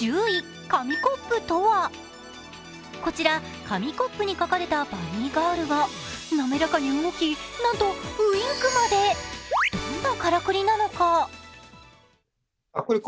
こちら紙コップに書かれたバニーガールが滑らかに動き、なんとウインクまでどんなからくりなのか。